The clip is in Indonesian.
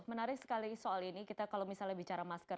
menarik sekali soal ini kita kalau misalnya bicara masker